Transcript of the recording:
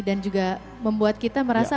dan juga membuat kita merasa